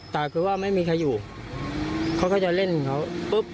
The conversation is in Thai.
แต่คือว่าไม่มีใครอยู่เขาก็จะเล่นเขาปุ๊บ